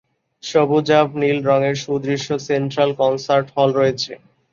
সবুজাভ নীল রঙের সুদৃশ্য সেন্ট্রাল কনসার্ট হল রয়েছে।